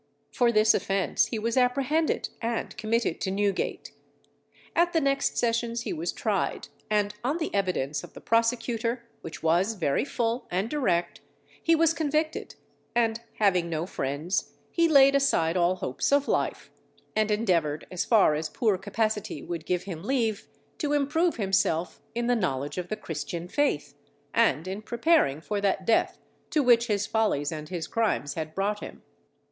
For this offence he was apprehended, and committed to Newgate; at the next sessions he was tried, and on the evidence of the prosecutor, which was very full and direct, he was convicted, and having no friends, he laid aside all hopes of life, and endeavoured as far as poor capacity would give him leave to improve himself in the knowledge of the Christian Faith, and in preparing for that death to which his follies and his crimes had brought him.